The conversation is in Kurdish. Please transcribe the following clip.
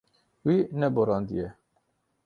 Wî neborandiye.